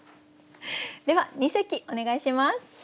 では二席お願いします。